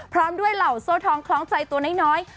พร้อมด้วยเหล่าโซ่ทองคล้องใจตัวน้อย